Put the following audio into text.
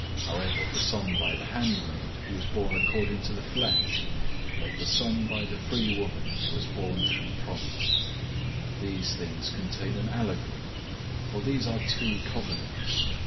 004:023 However, the son by the handmaid was born according to the flesh, but the son by the free woman was born through promise. 004:024 These things contain an allegory, for these are two covenants.